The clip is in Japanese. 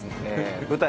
舞台